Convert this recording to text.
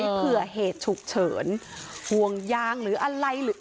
เผื่อเหตุฉุกเฉินห่วงยางหรืออะไรหรือ